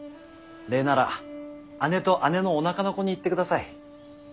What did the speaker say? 礼なら姉と姉のおなかの子に言ってください。